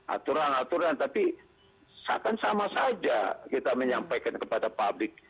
aturan aturan tapi akan sama saja kita menyampaikan kepada publik